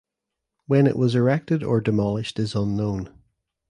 When it was erected or demolished is unknown.